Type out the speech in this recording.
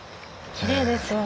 きれいですよね。